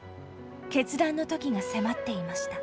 決断の時が迫っていました。